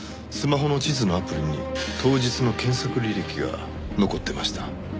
スマホの地図のアプリに当日の検索履歴が残ってました。